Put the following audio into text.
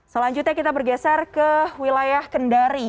selanjutnya kita bergeser ke wilayah kendari